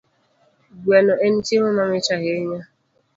Gweno en chiemo mamit ahinya